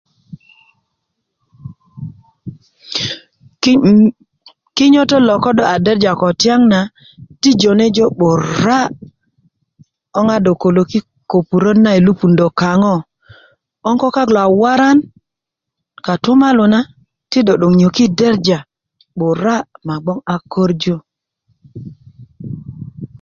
m ki kinyötö ko do a derja kotiaŋ na ti jone jo 'bura 'boŋ a do koloki kopuröt na i lupundö kaŋö 'böŋ ko kak na a waran kotumalu na ti do 'dok nyöki derja 'bura ma bgwöŋ a korju